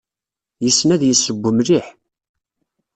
Yessen ad yesseww mliḥ.